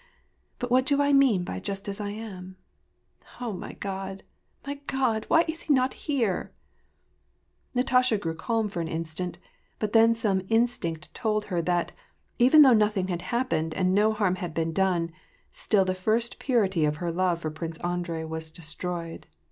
But what do I mean by just as I am ? O my God ! my God ! why is he not here ?" Natasha grew calm for an instant, but then some instinct told her that, even though nothing had happened and no harm had been done, still the fii'st purity of her love for Prince Andrei was destroyed.